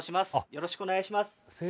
よろしくお願いします